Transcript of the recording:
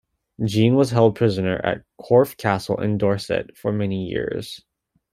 Jean was held prisoner at Corfe Castle in Dorset for many years.